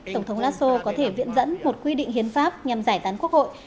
tổng thống lasso có thể viễn dẫn một quy định hiến pháp nhằm giải tán quốc hội